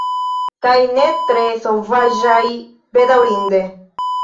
Kaj ne tre sovaĝaj, bedaŭrinde.